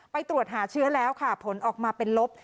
ตรวจหาเชื้อแล้วค่ะผลออกมาเป็นลบ